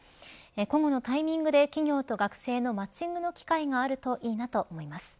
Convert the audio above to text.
ここのタイミングで企業と学生のマッチングの機械があるといいなと思います。